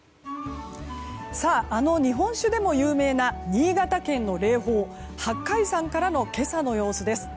あの日本酒でも有名な新潟県の霊峰八海山からの今朝の様子です。